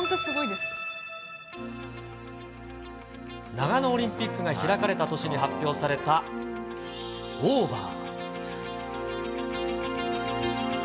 長野オリンピックが開かれた年に発表された、ｏｖｅｒ。